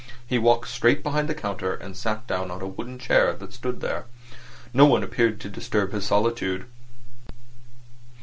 He walked straight behind the counter, and sat down on a wooden chair that stood there. No one appeared to disturb his solitude.